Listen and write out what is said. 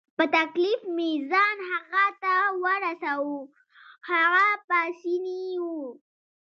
په تکلیف مې ځان هغه ته ورساوه، هغه پاسیني وو.